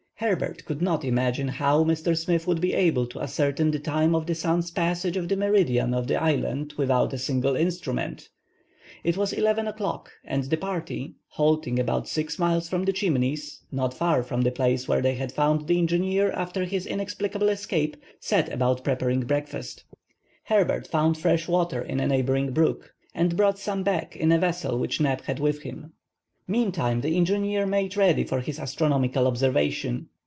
Herbert could not imagine how Mr. Smith would be able to ascertain the time of the sun's passage of the meridian of the island without a single instrument. It was 11 o'clock, and the party, halting about six miles from the Chimneys, not far from the place where they had found the engineer after his inexplicable escape, set about preparing breakfast. Herbert found fresh water in a neighboring brook, and brought some back in a vessel which Neb had with him. Meantime, the engineer made ready for his astronomical observation.